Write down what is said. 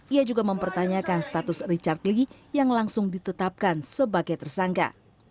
ia juga mempertanyakan status richard lee yang langsung ditetapkan sebagai tersangka